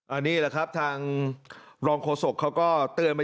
อันนี้แหละครับทางรองโฆษกเขาก็เตือนไป